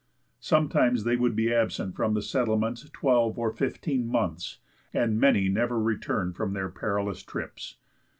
Sometimes they would be absent from the settlements twelve or fifteen months, and many never returned from their perilous trips.